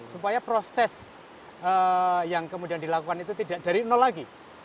supaya proses yang kemudian dilakukan itu tidak dari nol lagi